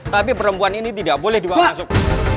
tapi perempuan ini tidak boleh di ruang masuk